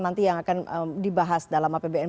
nanti yang akan dibahas dalam apbn